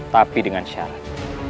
tapi dengan syarat